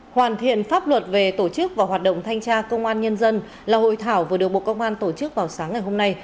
hoàn thiện pháp luật về tổ chức và hoạt động thanh tra công an nhân dân là hội thảo vừa được bộ công an tổ chức vào sáng ngày hôm nay